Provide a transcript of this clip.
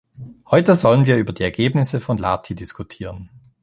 Heute sollen wir über die Ergebnisse von Lahti diskutieren.